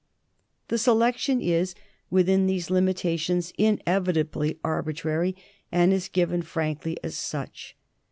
The selection is, within these limitations, inevitably arbitrary, and is given frankly as such.